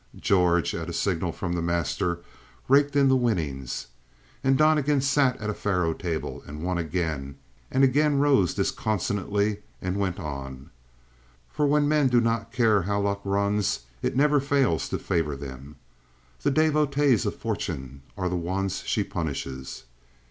George, at a signal from the master, raked in the winnings. And Donnegan sat at a faro table and won again, and again rose disconsolately and went on. For when men do not care how luck runs it never fails to favor them. The devotees of fortune are the ones she punishes.